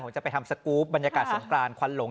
ผมจะไปทำสกรูปบรรยากาศสงกรานควันหลง